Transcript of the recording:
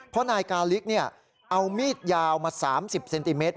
เพราะนายกาลิกเอามีดยาวมา๓๐เซนติเมตร